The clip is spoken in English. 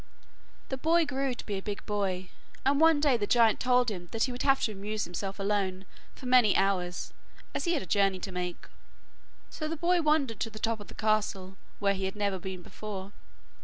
The boy grew to be a big boy, and one day the giant told him that he would have to amuse himself alone for many hours, as he had a journey to make. So the boy wandered to the top of the castle, where he had never been before.